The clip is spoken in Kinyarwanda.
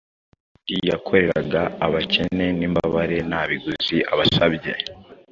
kandi yakoreraga abakene n’imbabare nta biguzi abasabye.